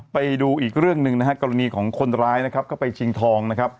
ไปดูอีกเรื่องหนึ่งกรณีของคนร้ายเข้าไปชิงทอง